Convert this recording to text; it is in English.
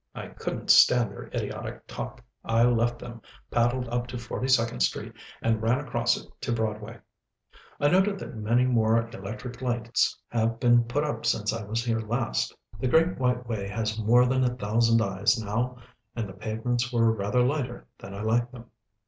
I couldn't stand their idiotic talk. I left them, paddled up to Forty second Street, and ran across it to Broadway. I noted that many more electric lights have been put up since I was here last. The Great White Way has more than a thousand eyes now, and the pavements were rather lighter than I liked them.